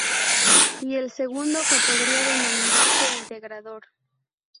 Y el segundo, que podría denominarse integrador.